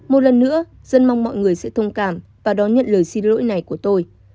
một lần nữa dân mong mọi người sẽ thông cảm và đón nhận lời xin lỗi này của tôi